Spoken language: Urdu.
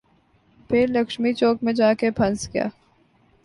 پھر لکشمی چوک میں جا کے پھنس گیا۔